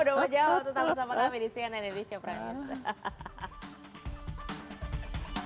udah mau jawab sama sama kami di cnn indonesia prime news